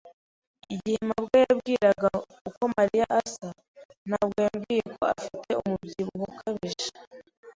Igihe mabwa yambwiraga uko Mariya asa, ntabwo yambwiye ko afite umubyibuho ukabije.